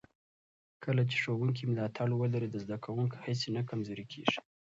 کله چې ښوونکي ملاتړ ولري، د زده کوونکو هڅې نه کمزورې کېږي.